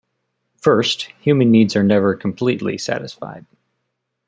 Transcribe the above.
First, human needs are never completely satisfied.